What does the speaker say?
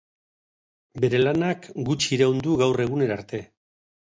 Bere lanak gutxi iraun du gaur egunera arte.